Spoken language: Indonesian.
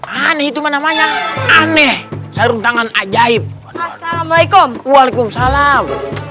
aneh itu namanya aneh sarung tangan ajaib assalamualaikum waalaikumsalam